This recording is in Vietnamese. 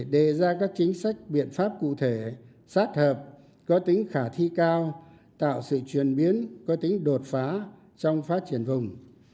đề ra các chính sách biện pháp cụ thể sát hợp có tính khả thi cao tạo sự chuyển biến có tính đột phá trong phát triển vùng